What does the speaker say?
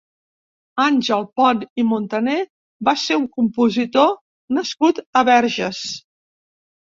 Àngel Pont i Montaner va ser un compositor nascut a Verges.